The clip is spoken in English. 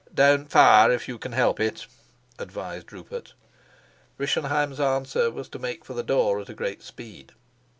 "Don't fire, if you can help it," advised Rupert. Rischenheim's answer was to make for the door at a great speed.